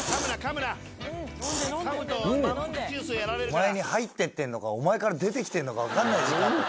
お前に入ってってんのかお前から出てきてんのか分かんないし。